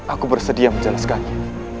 aku bersedia menjelaskannya